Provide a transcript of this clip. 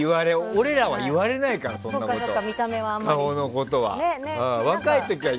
俺らは言われないから顔のことは。